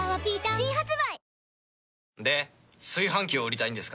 新発売